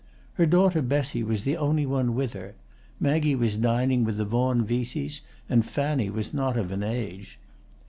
Her daughter Bessie was the only one with her; Maggie was dining with the Vaughan Veseys, and Fanny was not of an age.